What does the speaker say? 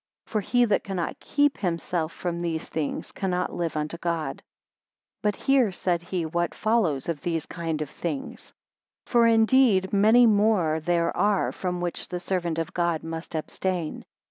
For he that cannot keep himself from these things, cannot live unto God. 5 But hear, said he, what follows of these kind of things: for indeed many more there are from which the servant of God must abstain.